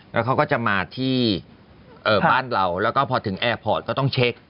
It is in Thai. แล้วเขาก็จะมาที่บ้านเราแล้วก็พอถึงแอร์พอร์ตก็ต้องเช็ค